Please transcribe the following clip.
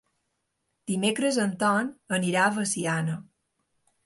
Dimecres en Ton irà a Veciana.